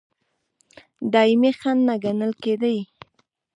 دایمي خنډ نه ګڼل کېدی.